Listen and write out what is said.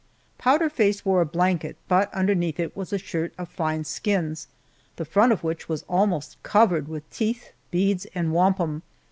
Powder Face wore a blanket, but underneath it was a shirt of fine skins, the front of which was almost covered with teeth, beads, and wampum.